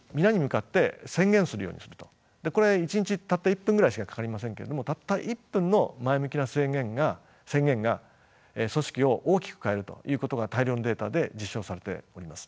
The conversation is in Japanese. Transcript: これ１日たった１分ぐらいしかかかりませんけれどもたった１分の前向きな宣言が組織を大きく変えるということが大量のデータで実証されております。